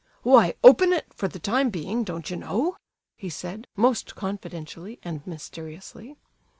"Why, open it, for the time being, don't you know?" he said, most confidentially and mysteriously.